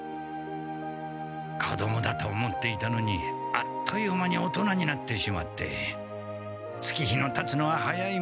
子どもだと思っていたのにあっという間に大人になってしまって月日のたつのは早いものだ。